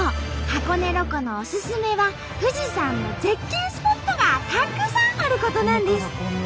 箱根ロコのオススメは富士山の絶景スポットがたくさんあることなんです！